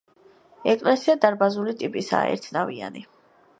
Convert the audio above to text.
ეკლესია დარბაზული ტიპისაა, ერთნავიანი.